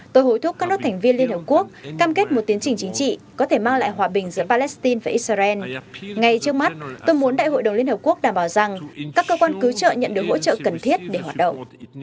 tôi hối thúc các nước thành viên liên hợp quốc cam kết một tiến trình chính trị có thể mang lại hòa bình giữa palestine và israel ngay trước mắt tôi muốn đại hội đồng liên hợp quốc đảm bảo rằng các cơ quan cứu trợ nhận được hỗ trợ cần thiết để hoạt động